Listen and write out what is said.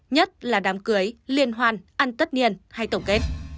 nhất là đám cưới liên hoan ăn tất niên hay tổng kết